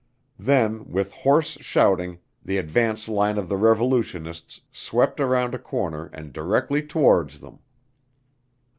Then with hoarse shouting, the advance line of the revolutionists swept around a corner and directly towards them.